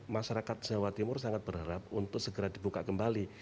masyarakat jawa timur sangat berharap untuk segera dibuka kembali